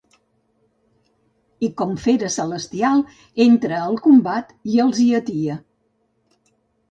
I com fera celestial entra al combat i els hi atia.